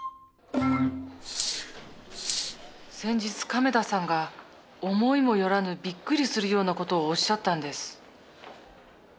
先日亀田さんが思いも寄らぬびっくりするような事をおっしゃったんです